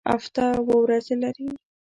هفته اووه ورځې لري